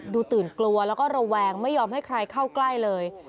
ตื่นกลัวแล้วก็ระแวงไม่ยอมให้ใครเข้าใกล้เลย